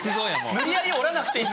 無理やり折らなくていい。